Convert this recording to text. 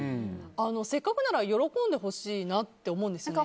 せっかくなら喜んでほしいなって思うんですよね。